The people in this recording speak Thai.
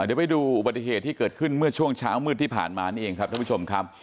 เดี๋ยวไปดูอุบัติเหตุที่เกิดขึ้นเมื่อช่วงเช้ามืดที่ผ่านมานี่เองครับท่านผู้ชมครับ